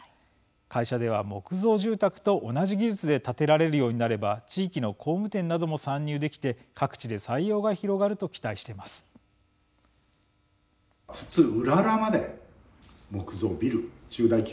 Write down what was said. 会社では、木造住宅と同じ技術で建てられるようになれば地域の工務店なども参入できて各地で採用が広がると期待しています。